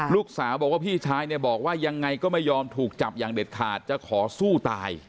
ลูกสาวบอกว่าพี่ชายเนี่ยบอกว่ายังไงก็ไม่ยอมถูกจับอย่างเด็ดขาดจะขอสู้ตาย